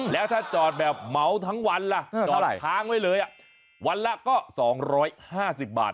แล้วถ้าจอดแบบเหมาทั้งวันล่ะจอดค้างไว้เลยวันละก็๒๕๐บาท